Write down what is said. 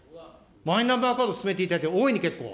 マイナンバーカード、進めていただいて大いに結構。